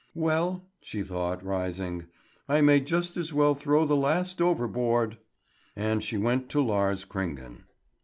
"Well," she thought, rising, "I may just as well throw the last overboard!" And she went to Lars Kringen.